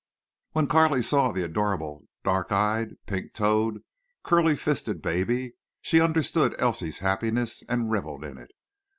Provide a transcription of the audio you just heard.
When Carley saw the adorable dark eyed, pink toed, curly fisted baby she understood Elsie's happiness and reveled in it.